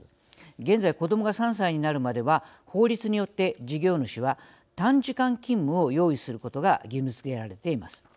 現在子どもが３歳になるまでは法律によって事業主は短時間勤務を用意することが義務づけられています。